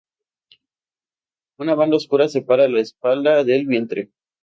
Una banda oscura separa la espalda del vientre.